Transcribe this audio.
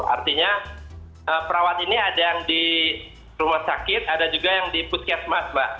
artinya perawat ini ada yang di rumah sakit ada juga yang di puskesmas mbak